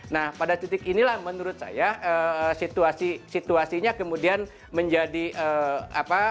nah pada titik inilah menurut saya situasi situasinya kemudian menjadi apa